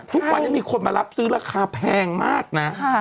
ทุกวันนี้มีคนมารับซื้อราคาแพงมากนะ